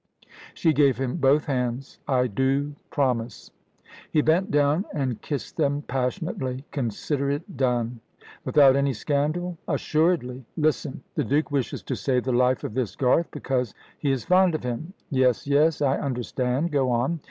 She gave him both hands. "I do promise." He bent down and kissed them, passionately. "Consider it done." "Without any scandal?" "Assuredly. Listen! The Duke wishes to save the life of this Garth, because he is fond of him." "Yes, yes; I understand. Go on."